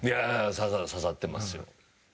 刺さってますよ。